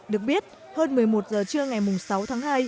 được biết hơn một mươi một giờ trưa ngày sáu tháng hai